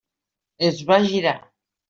Es va girar.